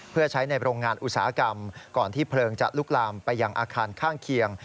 เพื่อใช้ในโรงงานอุตสาหกรรมก่อนที่เพลิงจะลุกลามไปยังอาคารข้างเคียง